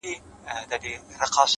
• چي لــه ژړا سره خبـري كوم؛